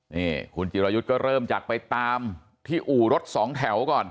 นี่คุณจิรายุทธ์ก็เริ่มจากไปตามที่อู่รถสองแถวก่อน